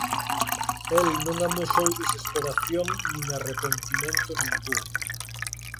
El non amosou desesperación nin arrepentimento ningún.